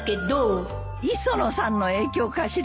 磯野さんの影響かしら？